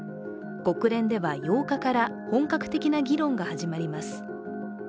国連では８日から本格的な議論が始まります。